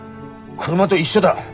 車と一緒だ。